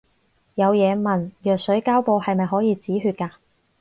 有嘢問，藥水膠布係咪可以止血㗎